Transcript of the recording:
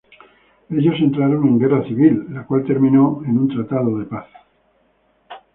Ellos entraron en guerra civil, la cual terminó en un tratado de paz.